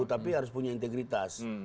tapi harus punya integritas